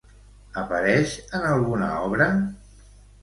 Apareix en alguna obra?